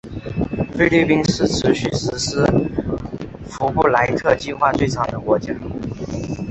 菲律宾是持续实施福布莱特计划最长的国家。